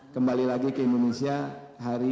kembali lagi ke indonesia hari